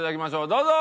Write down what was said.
どうぞ！